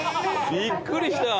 びっくりした。